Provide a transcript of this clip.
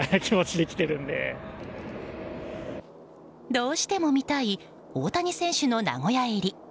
どうしても見たい大谷選手の名古屋入り。